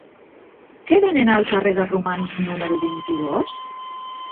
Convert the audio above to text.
Què venen al carrer de Romans número vint-i-dos?